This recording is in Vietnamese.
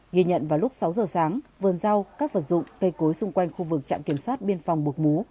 ghi nhận vào lúc sáu giờ sáng vườn rau các vật dụng cây cối xung quanh khu vực trạm kiểm soát biên phòng bục mú